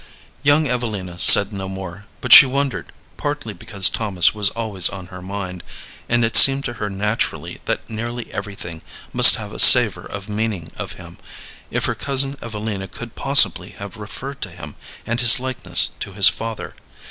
Young Evelina said no more; but she wondered, partly because Thomas was always in her mind, and it seemed to her naturally that nearly everything must have a savor of meaning of him, if her cousin Evelina could possibly have referred to him and his likeness to his father.